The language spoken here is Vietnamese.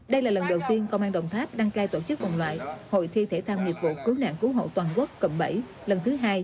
đây là lần đầu tiên công an đồng tháp đăng cai tổ chức vòng loại hội thi thể thao nghiệp vụ cứu nạn cứu hộ toàn quốc cộng bảy lần thứ hai